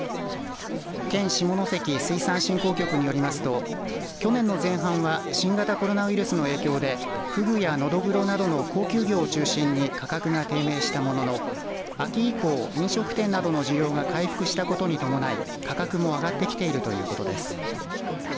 県下関水産振興局によりますと去年の前半は新型コロナウイルスの影響でフグやノドグロなどの高級魚を中心に価格が低迷したものの秋以降、飲食店などの需要が回復したことに伴い価格も上がってきているということです。